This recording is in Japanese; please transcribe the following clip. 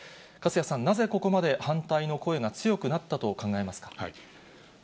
粕谷さん、なぜここまで反対の声が強くなったと考えますか？